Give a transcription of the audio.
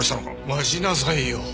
待ちなさいよ。